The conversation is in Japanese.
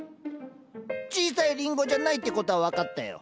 小さいリンゴじゃないってことは分かったよ。